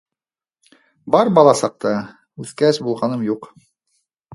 Бар бала саҡта, үҫкәс булғаным юҡ